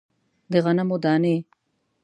د غنمو دانې